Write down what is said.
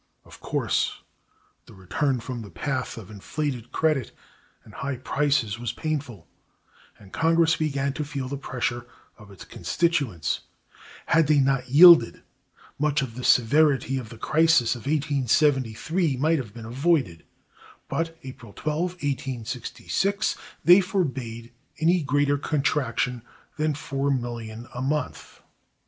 Of course, the return from the path of inflated credit and high prices was painful, and Congress began to feel the pressure of its constituents. Had they not yielded, much of the severity of the crisis of 1873 might have been avoided; but (April 12, 1866) they forbade any greater contraction than $4,000,000 a month.